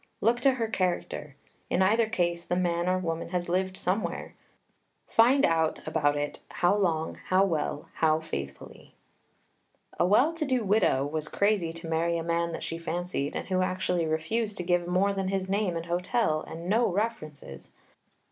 Look to her character. In either case, the man or woman has lived somewhere. Find out about it, how long, how well, how faithfully. A well to do widow, was crazy to marry a man that she fancied, and who actually refused to give more than his name and hotel, and no references.